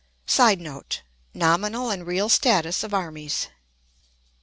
[Sidenote: Nominal and real status of armies.